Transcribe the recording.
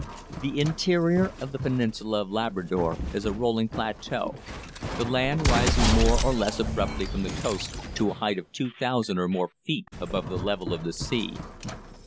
The interior of the peninsula of Labrador is a rolling plateau, the land rising more or less abruptly from the coast to a height of two thousand or more feet above the level of the sea.